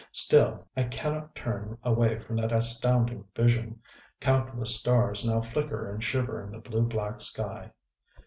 Still I cannot turn away from that astounding vision.... Countless stars now flicker and shiver in the blue black sky.